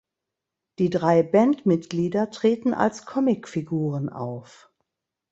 Die drei Bandmitglieder treten als Comicfiguren auf.